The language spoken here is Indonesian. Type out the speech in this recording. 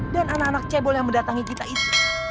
dan anak anak cebol yang mendatangi kita itu